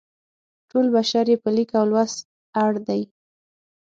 ټول بشر یې په لیک او لوست اړ دی.